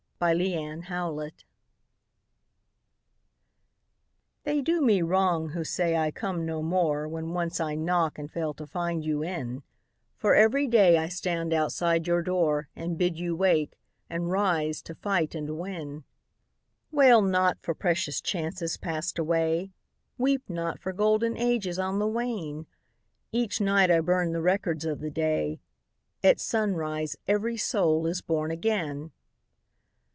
OPPORTUNITY They do me wrong who say I come no more When once I knock and fail to find you in ; For every day I stand outside your door, And bid you wake, and rise to fight and win. [ 27 ] Selected Poems Wail not for precious chances passed away, Weep not for golden ages on the wane ! Each night I burn the records of the day, — At sunrise every soul is born again